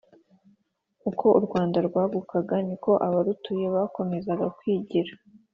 Uko u Rwanda rwagukaga niko abarutuye bakomezaga kwigira.